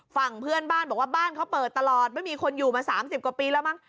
ฝั่งเพื่อนบ้านบอกว่าบ้านเขาเปิดตลอดไม่มีคนอยู่มา๓๐กว่าปีแล้วมั้ง